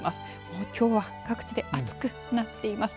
もうきょうは各地で暑くなっています。